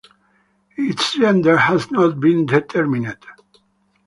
Its gender has not been determined.